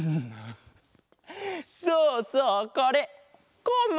そうそうこれコマ！